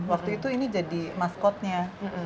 waktu itu ini jadi maskotnya